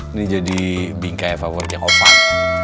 ini jadi bingkai favoritnya ovan